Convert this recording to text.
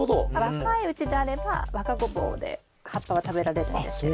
若いうちであれば若ゴボウで葉っぱは食べられるんですけれど。